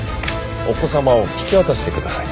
お子様を引き渡してください。